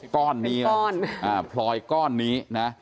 ก่อนนี้พรอยก่อนนี้